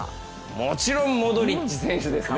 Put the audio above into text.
もちろんモドリッチ選手ですね。